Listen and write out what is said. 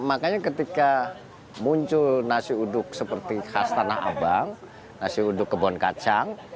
makanya ketika muncul nasi uduk seperti khas tanah abang nasi uduk kebon kacang